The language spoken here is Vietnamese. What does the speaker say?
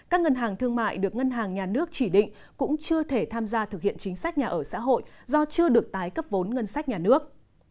các ngân hàng thương mại được ngân hàng nhà nước chỉ định cũng chưa thể tham gia thực hiện chính sách nhà ở xã hội do chưa được tái cấp vốn ngân sách nhà nước